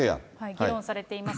議論されています。